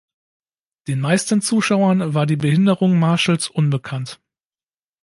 Den meisten Zuschauern war die Behinderung Marshalls unbekannt.